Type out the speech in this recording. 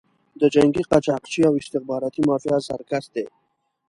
د جنګي قاچاقي او استخباراتي مافیا سرکس دی.